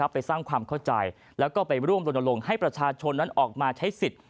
ไปสร้างความเข้าใจแล้วก็ไปร่วมลงให้ประชาชนนั้นออกมาใช้สิทธิ์